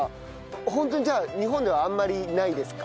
ホントにじゃあ日本ではあんまりないですか？